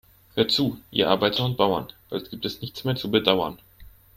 Hört zu, ihr Arbeiter und Bauern, bald gibt es nichts mehr zu bedauern.